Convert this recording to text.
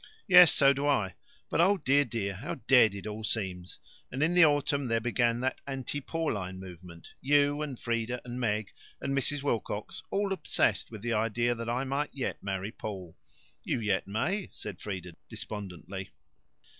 "Yes so do I. But, oh dear, dear, how dead it all seems! And in the autumn there began this anti Pauline movement you, and Frieda, and Meg, and Mrs. Wilcox, all obsessed with the idea that I might yet marry Paul." "You yet may," said Frieda despondently.